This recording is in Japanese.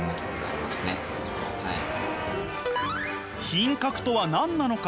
品格とは何なのか？